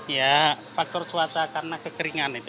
ya faktor cuaca karena kekeringan itu